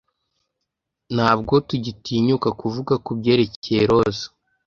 ntabwo tugitinyuka kuvuga kubyerekeye roza